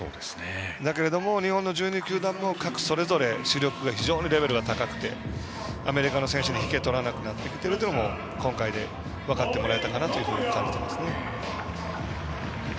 だけれども日本の１２球団も各それぞれ主力が非常にレベルが高くてアメリカの選手に引けを取らなくなってきているのも今回で分かってもらえたかなと思います。